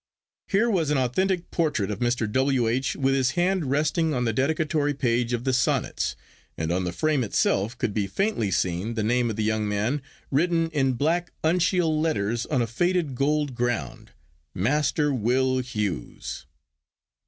Here was an authentic portrait of Mr. W. H., with his hand resting on the dedicatory page of the Sonnets, and on the frame itself could be faintly seen the name of the young man written in black uncial letters on a faded gold ground, "Master Will. Hews."